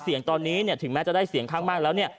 เสียงตอนนี้เนี่ยถึงแม้จะได้เสียงข้างมากแล้วเนี่ย